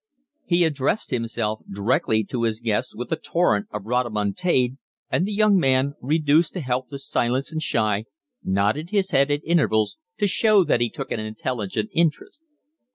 He addressed himself directly to his guest with a torrent of rhodomontade; and the young man, reduced to helpless silence and shy, nodded his head at intervals to show that he took an intelligent interest.